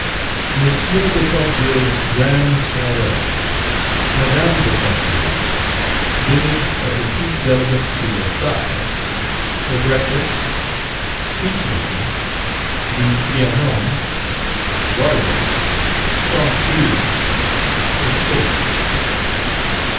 _M. de Tocqueville's Grand Soiree Madame de Tocqueville Visit of the Peace Delegates to Versailles The Breakfast Speechmaking The Trianons Waterworks St. Cloud The Fête.